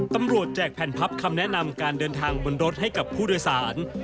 แจกแผ่นพับคำแนะนำการเดินทางบนรถให้กับผู้โดยสาร